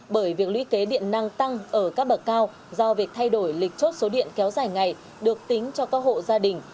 bởi việc lý kế điện năng tăng ở các bậc cao do việc thay đổi lịch chốt số điện kéo dài ngày được tính cho các hộ gia đình